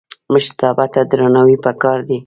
مشرتابه ته درناوی پکار دی